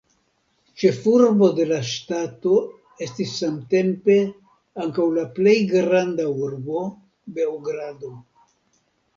Ĉefurbo de la ŝtato estis samtempe ankaŭ la plej granda urbo Beogrado.